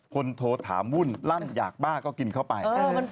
โทรถามวุ่นลั่นอยากบ้าก็กินเข้าไป